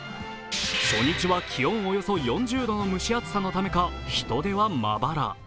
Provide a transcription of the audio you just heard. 初日は気温およそ４０度の蒸し暑さのためか人出はまばら。